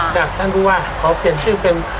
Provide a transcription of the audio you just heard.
จากท่านผู้ว่าขอเปลี่ยนชื่อเป็น